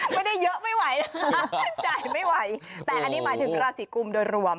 ไม่ได้เยอะไม่ไหวนะคะจ่ายไม่ไหวแต่อันนี้หมายถึงราศีกุมโดยรวม